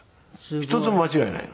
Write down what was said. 一つも間違えないの。